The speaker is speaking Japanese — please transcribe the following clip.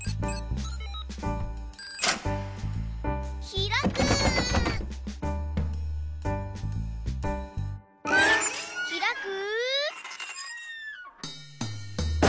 ひらく！